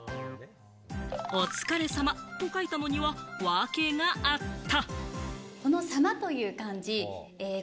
「お疲れ様」と書いたのには訳があった。